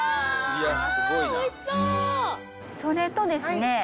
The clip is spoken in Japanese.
・それとですね。